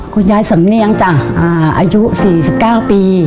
คุณยายสำเนียงจ้ะอายุ๔๙ปี